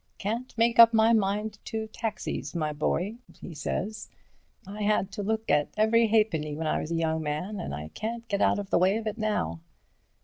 'Can't make up my mind to taxis, my boy,' he says. 'I had to look at every halfpenny when I was a young man, and I can't get out of the way of it now.'